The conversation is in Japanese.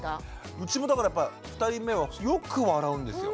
うちもだからやっぱ２人目はよく笑うんですよ。